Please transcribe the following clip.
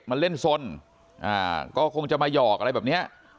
มันเล่นสนก็คงจะมาหยอกอะไรแบบเนี้ย